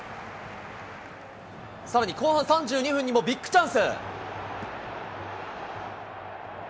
さらに後半３２分にもビッグチャンス。